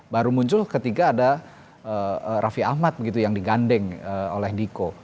baru muncul ketika ada raffi ahmad begitu yang digandeng oleh diko